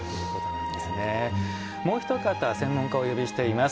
もうひと方専門家をお呼びしています。